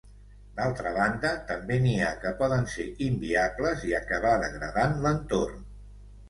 D'altra banda, també n'hi ha que poden ser inviables i acabar degradant l'entorn.